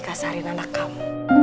kasarin anak kamu